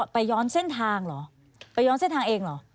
ไปย้อนเส้นทางเหรอไปย้อนเส้นทางเองเหรอ